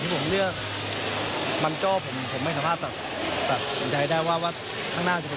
คือยากไปหาอาหารกามใหม่